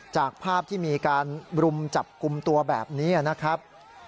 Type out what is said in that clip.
จากภาพที่มีการรุมจับกลุ่มตัวแบบนี้นะครับ